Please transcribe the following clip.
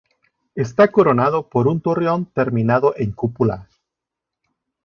Está coronado por un torreón terminado en cúpula.